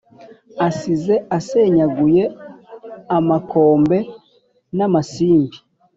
asize asenyaguye amakombe na masimbi